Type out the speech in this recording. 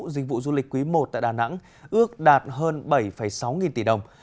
dịch vụ du lịch quý i tại đà nẵng ước đạt hơn bảy sáu nghìn tỷ đồng